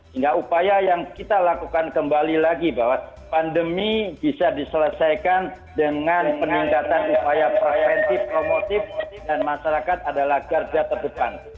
hingga upaya yang kita lakukan kembali lagi bahwa pandemi bisa diselesaikan dengan peningkatan upaya preventif promotif dan masyarakat adalah garda terdepan